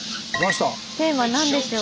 テーマ何でしょう？